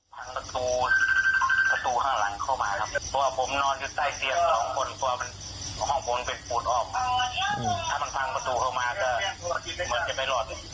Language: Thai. พังประตูประตูข้างหลังเข้ามาครับเพราะว่าผมนอนอยู่ใต้เตียงสองคน